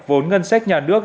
vốn ngân sách nhà nước